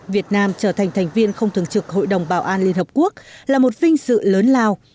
việt nam trở thành thành viên không thường trực hội đồng bảo an liên hợp quốc là một vinh sự lớn lao